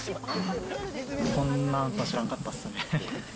こんなんとは知らんかったですね。